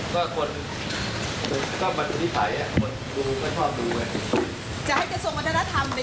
ก็ไปเจอกันดีกว่าคนบรรทธิภัยคนไม่ชอบดู